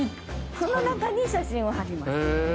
この中に写真を貼ります。